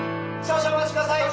少々お待ち下さい。